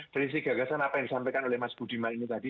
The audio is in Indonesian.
prinsip gagasan apa yang disampaikan oleh mas budiman ini tadi